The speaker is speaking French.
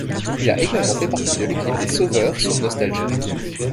Il a également fait partie de l'équipe des Sauveurs sur Nostalgie.